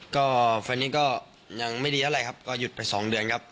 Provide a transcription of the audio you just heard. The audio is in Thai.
ก็แฟนนี้ก็ยังไม่ดีอะไรครับก็หยุดไป๒เดือนครับ